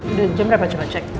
udah jam berapa jam aja